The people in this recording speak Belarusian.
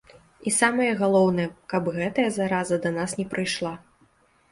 І самае галоўнае, каб гэтая зараза да нас не прыйшла.